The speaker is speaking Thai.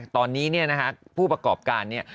ตอนนี้เนี่ยนะฮะผู้ประกอบการเนี่ย